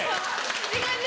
いい感じ？